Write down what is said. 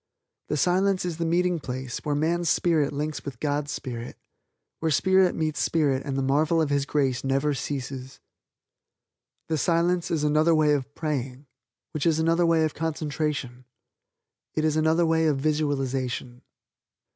The Silence is the meeting place where man's spirit links with God's spirit; where spirit meets spirit and the marvel of His grace never ceases. The Silence is another way of praying, which is another way of concentration. It is another way of visualization.